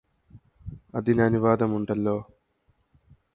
അതിനനുവാദമുണ്ടല്ലോ